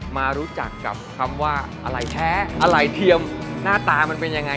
มารู้จักกับคำว่าอะไรแท้อะไรเทียมหน้าตามันเป็นยังไง